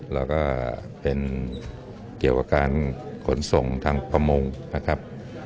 แล้วก็เป็นเกี่ยวกับการขนส่งทางประมงนะครับ